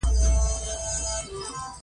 د ساتسوما قلمرو په بشپړ ډول خپلواک پاتې شو.